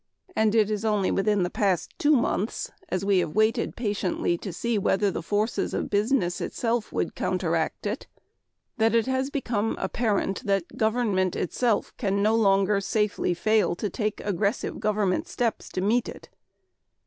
And it is only within the past two months, as we have waited patiently to see whether the forces of business itself would counteract it, that it has become apparent that government itself can no longer safely fail to take aggressive government steps to meet it.